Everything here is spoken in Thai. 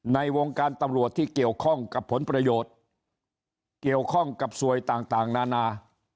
ในวงการตำรวจที่เกี่ยวข้องกับผลประโยชน์เกี่ยวข้องกับสวยต่างนานา